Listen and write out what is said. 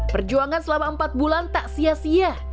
perjuangan selama empat bulan tak sia sia